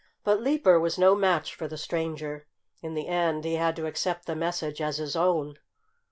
But Leaper was no match for the stranger. In the end he had to accept the message as his own.